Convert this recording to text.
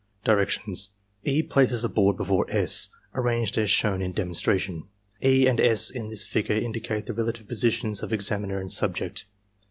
Directions. — E. places the board before S., arranged as shown in "demonstration.'* "E." and "S." in this figure indicate the relative positions of examiner and subject.